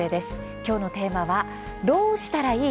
きょうのテーマは「どうしたらいい？